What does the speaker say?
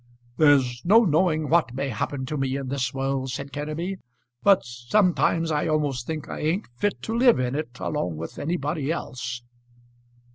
"There's no knowing what may happen to me in this world," said Kenneby, "but sometimes I almost think I ain't fit to live in it, along with anybody else."